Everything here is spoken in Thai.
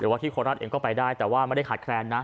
ว่าที่โคราชเองก็ไปได้แต่ว่าไม่ได้ขาดแคลนนะ